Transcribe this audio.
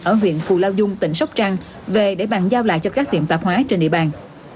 ở huyện cù lao dung tỉnh sóc trăng về để bàn giao lại cho các tiệm tạp hóa trên địa bàn